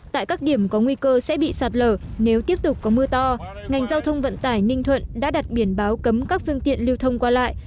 tại các điểm có nguy cơ sẽ bị sạt lở nếu tiếp tục có mưa to ngành giao thông vận tải ninh thuận đã đặt biển báo cấm các phương tiện lưu thông qua lại